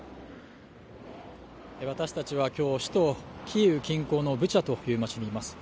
私たちは今日首都キーウ近郊ブチャという街にいます。